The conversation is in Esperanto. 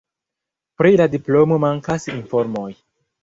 Pri la diplomo mankas informoj.